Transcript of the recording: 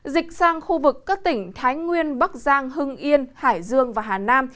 dịch sang khu vực các tỉnh thái nguyên bắc giang hưng yên hải dương và hà nam